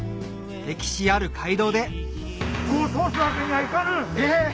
歴史ある街道でここを通すわけにはいかぬ！え！